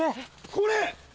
これ！